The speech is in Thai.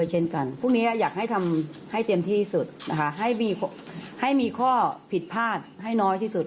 ให้มีข้อผิดพลาดให้น้อยที่สุด